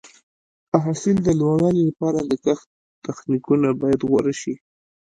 د حاصل د لوړوالي لپاره د کښت تخنیکونه باید غوره شي.